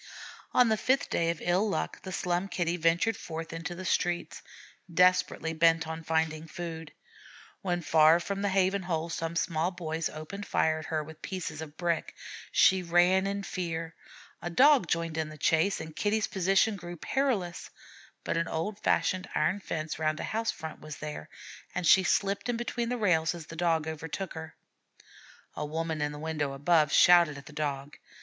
On the fifth day of ill luck the Slum Kitty ventured forth into the street, desperately bent on finding food. When far from the haven hole some small boys opened fire at her with pieces of brick. She ran in fear. A Dog joined in the chase, and Kitty's position grew perilous; but an old fashioned iron fence round a house front was there, and she slipped in between the rails as the Dog overtook her. A woman in a window above shouted at the Dog.